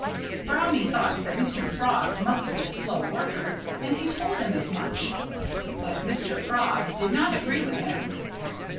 Brownie thought that Mr. Frog must be a slow worker; and he told him as much. But Mr. Frog did not agree with him.